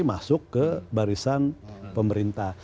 masuk ke barisan pemerintah